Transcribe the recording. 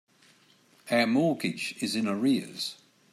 Our mortgage is in arrears.